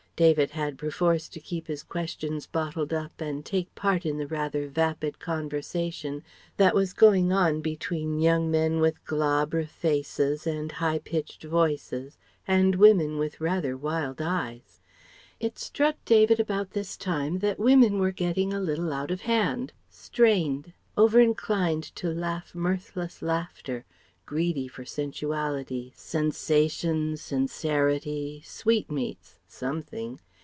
David had perforce to keep his questions bottled up and take part in the rather vapid conversation that was going on between young men with glabre faces and high pitched voices and women with rather wild eyes. [It struck David about this time that women were getting a little out of hand, strained, over inclined to laugh mirthless laughter, greedy for sensuality, sensation, sincerity, sweetmeats. Something.